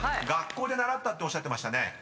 学校で習ったっておっしゃってましたね］